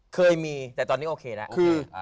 เคยมีแต่ตอนนี้โอเคแล้ว